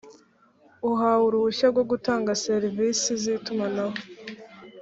uhawe uruhushya rwo gutanga serivisi z itumanaho